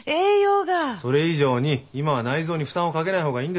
それ以上に今は内臓に負担をかけない方がいいんです。